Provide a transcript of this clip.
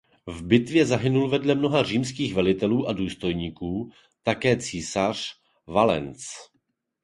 V bitvě zahynul vedle mnoha římských velitelů a důstojníků také císař Valens.